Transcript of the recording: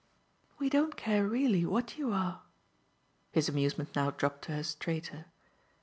"We don't care really what you are." His amusement now dropped to her straighter.